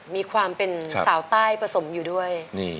มีความเป็นสาวใต้ผสมอยู่ด้วย